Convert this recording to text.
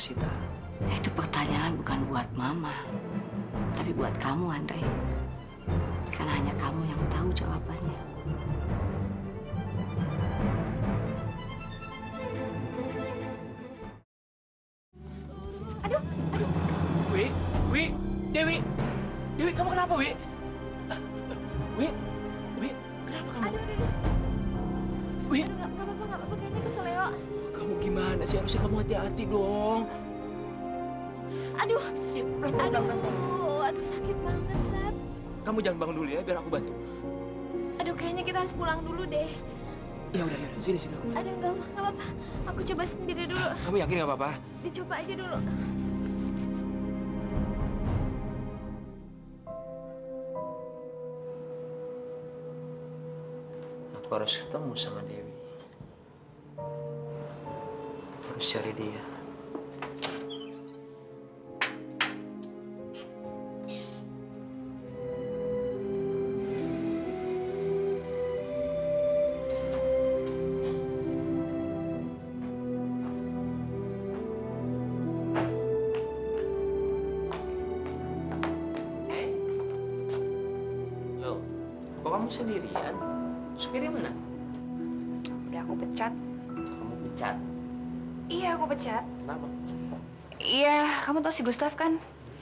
iya kamu tau si gustaf kan